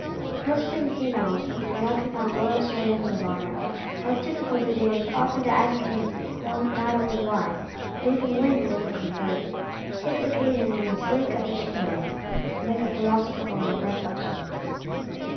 President Hénault, remarking on royal Surnames of Honour how difficult it often is to ascertain not only why, but even when, they were conferred, takes occasion in his sleek official way, to make a philosophical reflection.